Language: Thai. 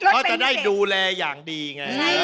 เขาจะได้ดูแลอย่างดีไง